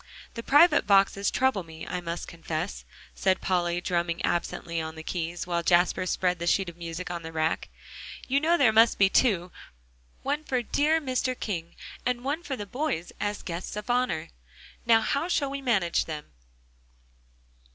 "The private boxes trouble me, I must confess," said Polly, drumming absently on the keys, while Jasper spread the sheet of music on the rack. "You know there must be two; one for dear Mr. King and one for the boys as guests of honor. Now how shall we manage them?"